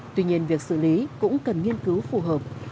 tuy nhiên việc xử lý cũng cần nghiên cứu phù hợp